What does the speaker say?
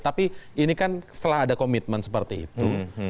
tapi ini kan setelah ada komitmen seperti itu